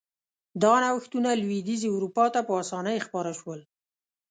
دا نوښتونه لوېدیځې اروپا ته په اسانۍ خپاره شول.